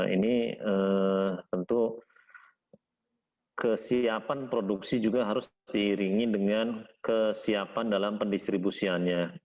ini tentu kesiapan produksi juga harus diiringi dengan kesiapan dalam pendistribusiannya